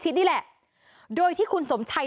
ทีนี้จากรายทื่อของคณะรัฐมนตรี